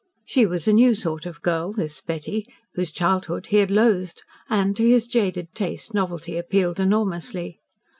She was a new sort of girl, this Betty, whose childhood he had loathed, and, to his jaded taste, novelty appealed enormously.